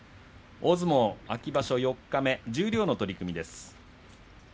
大相撲秋場所四日目十両の取組です。